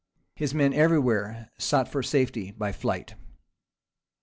His men every where sought for safety by flight.